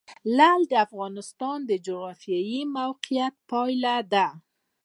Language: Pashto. لعل د افغانستان د جغرافیایي موقیعت پایله ده.